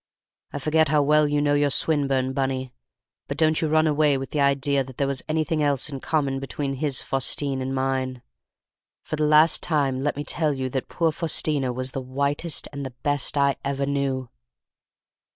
I forget how well you know your Swinburne, Bunny; but don't you run away with the idea that there was anything else in common between his Faustine and mine. For the last time let me tell you that poor Faustina was the whitest and the best I ever knew.